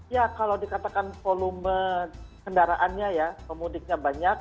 ya kalau dikatakan volume kendaraannya ya pemudiknya banyak